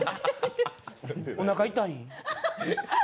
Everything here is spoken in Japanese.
おなか痛いん？